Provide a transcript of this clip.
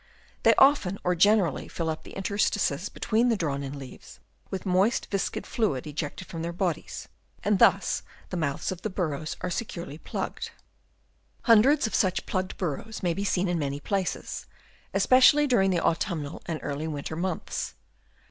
They often or generally fill up the interstices between the drawn in leaves with moist viscid earth ejected from their bodies; and thus the mouths of the burrows are securely plugged. Hundreds of such plugged burrows may be seen in many places, especially during the autumnal and early winter months.